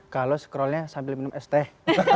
kalau scrollnya sambil minum es teh